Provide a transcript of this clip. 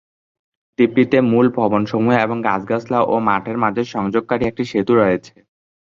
দ্বীপটিতে মুল ভবন সমূহ এবং গাছপালা ও মাঠের মাঝে সংযোগকারী একটি সেতু রয়েছে।